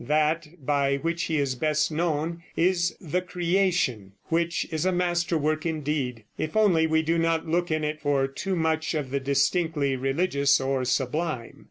That by which he is best known is the "Creation," which is a master work indeed, if only we do not look in it for too much of the distinctly religious or sublime.